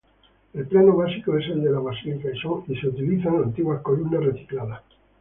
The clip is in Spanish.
El plano básico es el de la basílica y son utilizadas antiguas columnas recicladas.